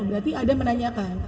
berarti ada menanyakan